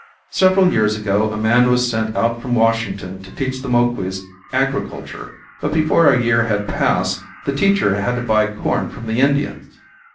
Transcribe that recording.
Several years ago a man was sent out from Washington to teach the Moquis agriculture, but before a year had passed the teacher had to buy corn from the Indians.